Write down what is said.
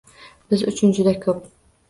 Biz uchun juda ko'p